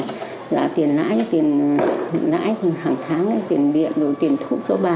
bây giờ lại còn giả tiền lãi tiền lãi hàng tháng tiền viện rồi tiền thuốc cho bà